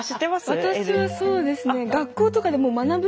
私はそうですね